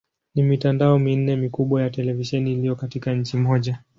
Ni mitandao minne mikubwa ya televisheni iliyo katika nchi moja.